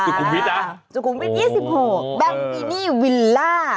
สุขุมวิทย์๒๖แบมบินี่วิลล่า